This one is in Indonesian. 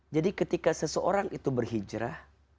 jadi ketika seseorang itu berhijrah